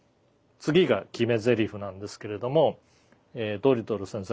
次が決めゼリフなんですけれどもドリトル先生